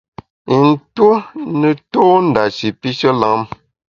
I ntue ne tô ndashi pishe lam.